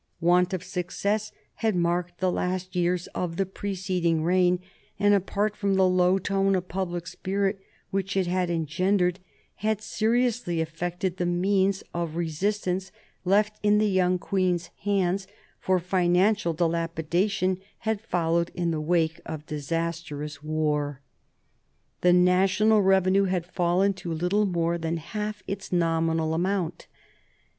Want of success had marked the last years of the preceding reign, and apart from the low tone of public spirit which it had engendered, had seriously affected the means of re sistance left in the young queen's hands; for financial dilapidation had followed in the wake of disastrous war. 1740 43 WAR OF SUCCESSION 8 The national revenue had fallen to little more than half its nominal amount.